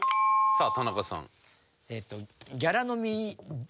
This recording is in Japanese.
さあ田中さん。